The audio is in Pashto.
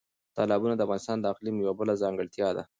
تالابونه د افغانستان د اقلیم یوه بله ځانګړتیا ده.